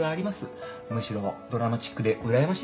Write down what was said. むしろドラマチックでうらやましいぐらいですよ。